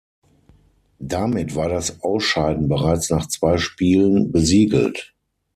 Damit war das Ausscheiden bereits nach zwei Spielen besiegelt.